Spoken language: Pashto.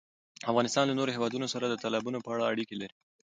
افغانستان له نورو هېوادونو سره د تالابونو په اړه اړیکې لري.